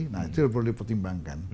nah itu perlu dipertimbangkan